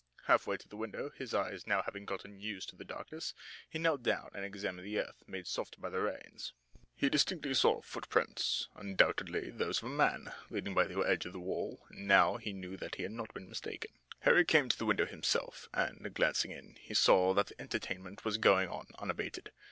Half way to the window, his eyes now having gotten used to the darkness, he knelt down and examined the earth, made soft by the rains. He distinctly saw footprints, undoubtedly those of a man, leading by the edge of the wall, and now he knew that he had not been mistaken. Harry came to the window himself, and, glancing in, he saw that the merriment was going on unabated.